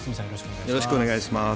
よろしくお願いします。